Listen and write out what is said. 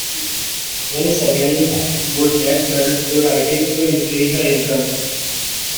Once again Burnett turned to writing to increase her income.